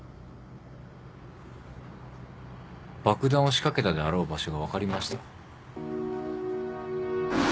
爆弾を仕掛けたであろう場所が分かりました。